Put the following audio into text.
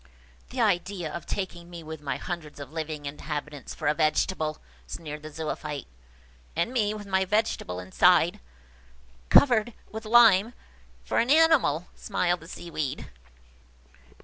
"The idea of taking me with my hundreds of living inhabitants for a vegetable!" sneered the Zoophyte. "And me with my vegetable inside, covered over with lime, for an animal!" smiled the Seaweed.